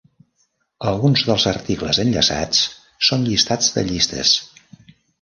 Alguns dels articles enllaçats són llistats de llistes.